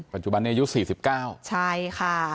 ปัจจุบันนี้อายุ๔๙ใช่ค่ะ